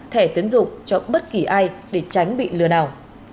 thẻ tiến dụng cho bất kỳ ai để tránh bị lừa đảo